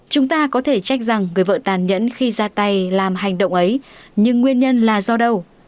chúng ta có thể chắc rằng người vợ tàn nhẫn khi ra tay làm hành động ấy nhưng nguyên nhân là do đâu